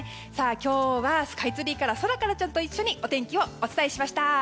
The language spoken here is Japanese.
今日はスカイツリーからソラカラちゃんと一緒にお天気をお伝えしました。